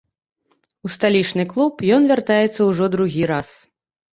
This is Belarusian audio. У сталічны клуб ён вяртаецца ўжо другі раз.